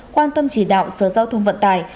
quan tâm chỉ đạo sở giao thông vận tải